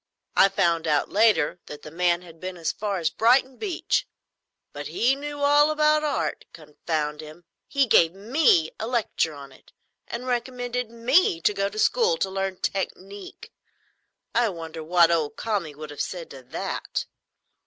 I found out, later, that the man had been as far as Brighton beach; but he knew all about Art, confound him. He gave me a lecture on it, and recommended me to go to school to learn technique. I wonder what old Kami would have said to that."